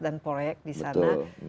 dan proyek disana